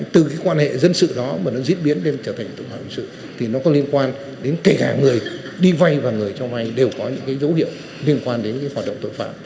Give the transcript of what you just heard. từ cái quan hệ dân sự đó mà nó diễn biến lên trở thành tội phạm hình sự thì nó có liên quan đến kể cả người đi vay và người cho vay đều có những dấu hiệu liên quan đến hoạt động tội phạm